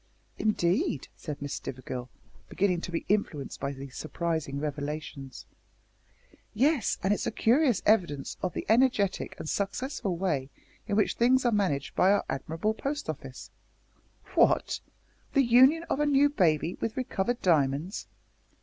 "Indeed!" said Miss Stivergill, beginning to be influenced by these surprising revelations. "Yes, and it's a curious evidence of the energetic and successful way in which things are managed by our admirable Post Office " "What! the union of a new baby with recovered diamonds?"